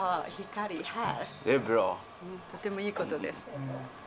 とてもいいことです。